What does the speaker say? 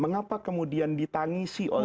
mengapa kemudian ditangisi oleh yang ditinggalkan